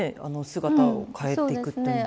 姿を変えていくという。